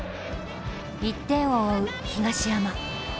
１点を追う東山。